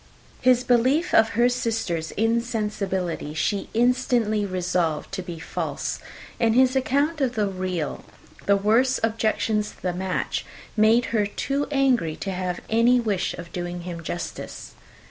His belief of her sister's insensibility she instantly resolved to be false; and his account of the real, the worst objections to the match, made her too angry to have any wish of doing him justice.